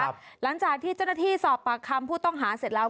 หลังจากที่เจ้าหน้าที่สอบปากคำผู้ต้องหาเสร็จแล้ว